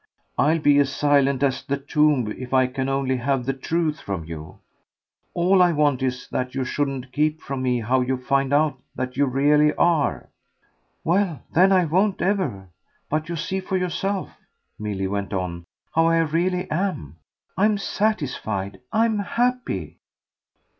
"I'll be as silent as the tomb if I can only have the truth from you. All I want is that you shouldn't keep from me how you find out that you really are." "Well then I won't ever. But you see for yourself," Milly went on, "how I really am. I'm satisfied. I'm happy."